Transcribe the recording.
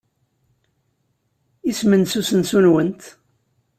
Isem-nnes usensu-nwent?